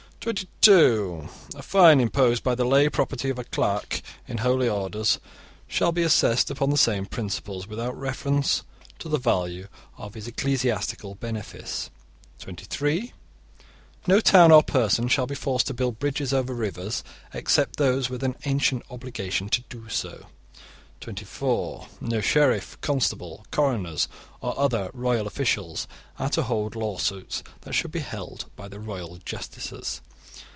(22) A fine imposed upon the lay property of a clerk in holy orders shall be assessed upon the same principles, without reference to the value of his ecclesiastical benefice. (23) No town or person shall be forced to build bridges over rivers except those with an ancient obligation to do so. (24) No sheriff, constable, coroners, or other royal officials are to hold lawsuits that should be held by the royal justices.